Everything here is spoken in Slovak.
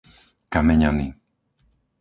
Kameňany